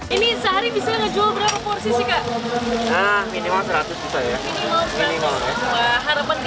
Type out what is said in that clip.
ini sehari bisa ngejual berapa porsi sih kak